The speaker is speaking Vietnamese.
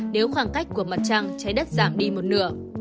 nếu khoảng cách của mặt trăng trái đất giảm đi một nửa